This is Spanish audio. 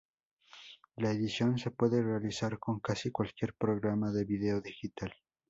La edición se puede realizar con casi cualquier programa de vídeo digital.